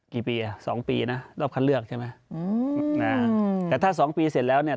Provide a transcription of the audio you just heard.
กี่ปีอ่ะสองปีนะรอบคัดเลือกใช่ไหมอืมอ่าแต่ถ้าสองปีเสร็จแล้วเนี่ย